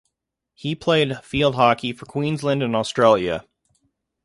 He played field hockey for Queensland and Australia.